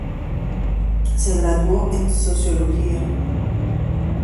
Se graduó en Sociología.